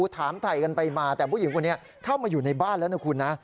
ถามถ่ายกันไปมาแต่ผู้หญิงคนนี้เข้ามาอยู่ในบ้านแล้วนะคุณนะ